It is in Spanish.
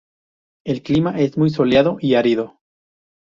El clima es muy soleado y árido.